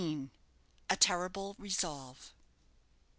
A TERRIBLE RESOLVE.